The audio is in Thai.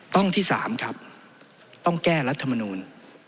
ต้องที่๓ครับต้องแก้รัฐมนูล